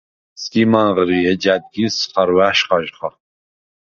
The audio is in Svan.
სგიმ ანღრი, ეჯ ა̈დგილს ცხვარვა̈შ ხაჟხა.